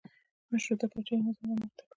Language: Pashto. مشروطه پاچاهي نظام رامنځته کړل.